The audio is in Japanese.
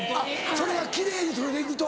それが奇麗に取れていくと。